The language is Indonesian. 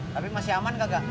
tapi masih aman kakak